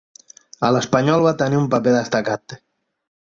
A l'Espanyol va tenir un paper destacat.